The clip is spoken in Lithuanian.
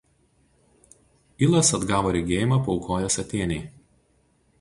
Ilas atgavo regėjimą paaukojęs Atėnei.